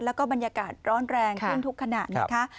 แล้วก็บรรยากาศร้อนแรงขึ้นทุกขณะนะคะ